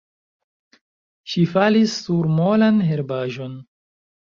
Ŝi falis sur molan herbaĵon.